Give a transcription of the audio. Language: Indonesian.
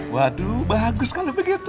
waduh bagus kalau begitu